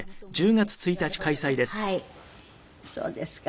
そうですか。